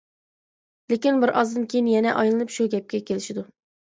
لېكىن بىر ئازدىن كېيىن يەنە ئايلىنىپ شۇ گەپكە كېلىشىدۇ.